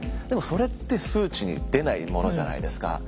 でもそれって数値に出ないものじゃないですか。